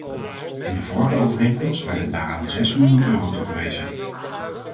In de vorige overeenkomst werden daaraan zes miljoen euro toegewezen.